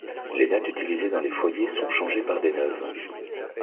Les nattes utilisées dans les foyers sont changées par des neuves.